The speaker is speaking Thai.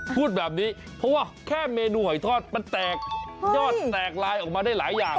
พูดแบบนี้เพราะว่าแค่เมนูหอยทอดมันแตกยอดแตกลายออกมาได้หลายอย่าง